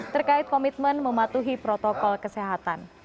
terkait komitmen mematuhi protokol kesehatan